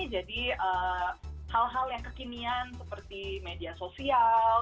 jadi hal hal yang kekinian seperti media sosial